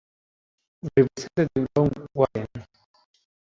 Representative Ron Wyden.